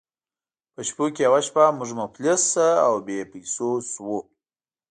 په شپو کې یوه شپه موږ مفلس او بې پیسو شوو.